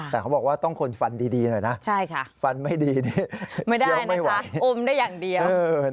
แต่เขาบอกว่าต้องคนฟันดีหน่อยนะฟันไม่ดีนี่ไม่ได้ไหวอมได้อย่างเดียว